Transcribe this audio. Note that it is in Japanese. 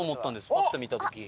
パッと見た時。